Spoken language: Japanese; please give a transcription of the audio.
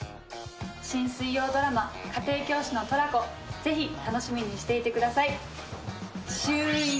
新水曜ドラマ、家庭教師のトラコ、ぜひ楽しみにしていてください。